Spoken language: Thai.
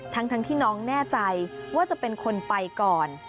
ทั้งที่น้องแน่ใจว่าจะเป็นคนไปก่อน